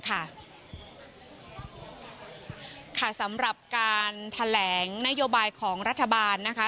หรือยังค่ะสำรับการแถลแหลยนัยโบายของรัฐบานนะคะ